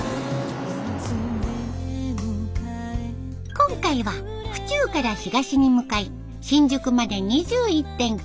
今回は府中から東に向かい新宿まで２１．９キロの旅。